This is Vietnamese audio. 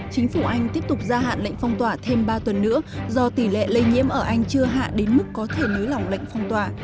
chính phủ anh tiếp tục gia hạn lệnh phong tỏa thêm ba tuần nữa do tỷ lệ lây nhiễm ở anh chưa hạ đến mức có thể nới lỏng lệnh phong tỏa